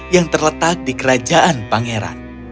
yang terletak di kerajaan pangeran